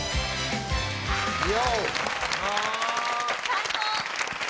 最高。